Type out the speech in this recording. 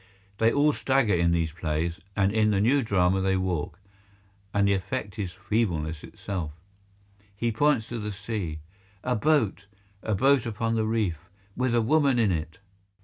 (They all staggered in these plays, and in the new drama they walk, and the effect is feebleness itself.) He points to the sea. "A boat! A boat upon the reef! With a woman in it."